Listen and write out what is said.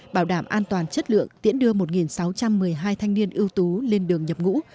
bảo đảm an toàn chất lượng tiễn đưa một sáu trăm một mươi hai thanh niên ưu tú lên đường nhập ngũ